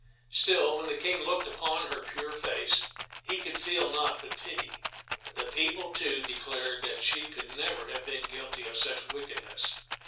Still, when the King looked upon her pure face, he could feel naught but pity. The people, too, declared that she could never have been guilty of such wickedness.